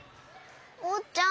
おうちゃん